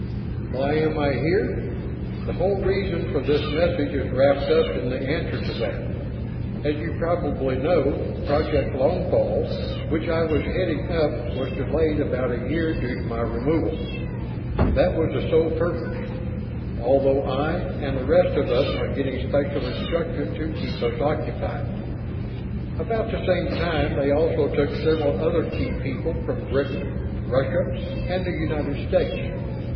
Why am I here? The whole reason for this message is wrapped up in the answer to that. As you probably know, Project Longfall, which I was heading up was delayed about a year due to my removal. That was the sole purpose, although I and the rest of us are getting special instruction to keep us occupied. About the same time, they also took several other key people from Britain, Russia, and the United States.